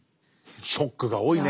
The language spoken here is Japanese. ショックが多いね。